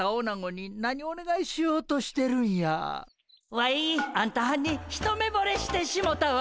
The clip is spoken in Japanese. ワイあんたはんに一目ぼれしてしもたわ！